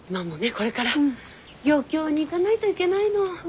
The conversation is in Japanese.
これから漁協に行かないといけないの。